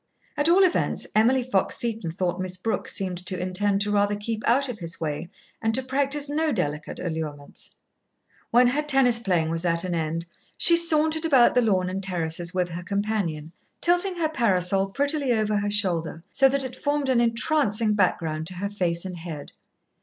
At all events, Emily Fox Seton thought Miss Brooke seemed to intend to rather keep out of his way and to practise no delicate allurements. When her tennis playing was at an end, she sauntered about the lawn and terraces with her companion, tilting her parasol prettily over her shoulder, so that it formed an entrancing background to her face and head.